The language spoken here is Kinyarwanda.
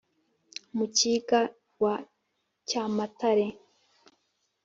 mukiga wa cyamatare,